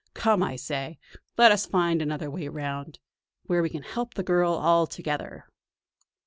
Come, I say, let us find another way round; where we can help the girl all together!"